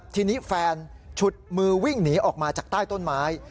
ทีนี้แฟนฉุดมือวิ่งหนีออกมาจากใต้ต้นไม้